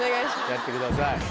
やってください。